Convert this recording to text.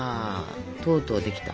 とうとうできた。